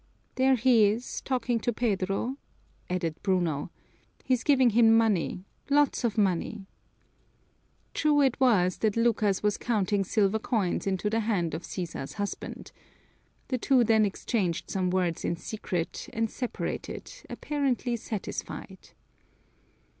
"There he is, talking to Pedro," added Bruno. "He's giving him money, lots of money!" True it was that Lucas was counting silver coins into the hand of Sisa's husband. The two then exchanged some words in secret and separated, apparently satisfied.